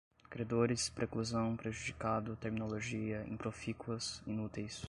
credores, preclusão, prejudicado, terminologia, improfícuas, inúteis